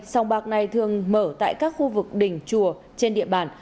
sông bạc này thường mở tại các khu vực đỉnh chùa trên địa bàn